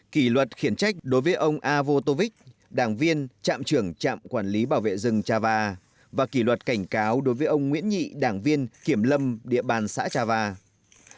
kỷ luật khiển trách đối với ông a vô tô vích đảng viên trạm trưởng trạm quản lý bảo vệ rừng trà và kỷ luật cảnh cáo đối với ông nguyễn nhị đảng viên kiểm lâm địa bàn xã trà vài